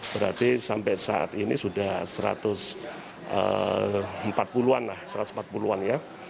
berarti sampai saat ini sudah satu ratus empat puluh an